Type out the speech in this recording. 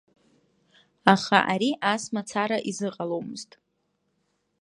Аха ари ас мацара изыҟаломызт.